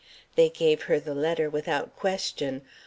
They gave her the letter without question.